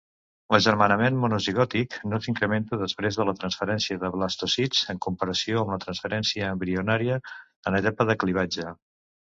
L'agermanament monozigòtic no s'incrementa després de la transferència de blastocist en comparació amb la transferència embrionària en etapa de clivatge.